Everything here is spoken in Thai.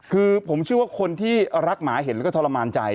คือผมเชื่อว่าคนที่รักหมาเห็นแล้วก็ทรมานใจ